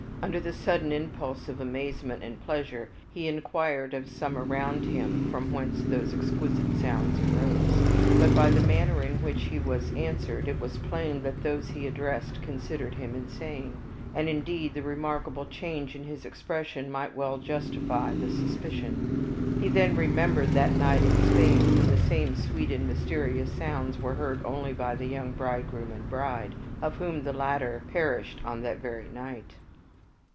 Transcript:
Under the sudden impulse of amazement and pleasure, he inquired of some around him from whence those exquisite sounds arose. But, by the manner in which he was answered, it was plain that those he addressed considered him insane; and, indeed, the remarkable change in his expression might well justify the suspicion. He then remembered that night in Spain, when the same sweet and mysterious sounds were heard only by the young bridegroom and bride, of whom the latter perished on that very night.